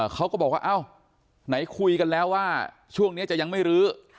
เขาก็บอกว่าเอ้าไหนคุยกันแล้วว่าช่วงนี้จะยังไม่รื้อ